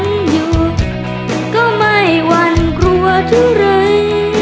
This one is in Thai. อยู่ก็ไม่หวั่นกลัวเท่าไร